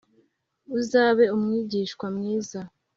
Uzebe umwigishwa mwiza